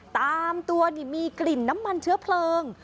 ตามตัวนี่มีกลิ่นน้ำมันเชื้อเพลิง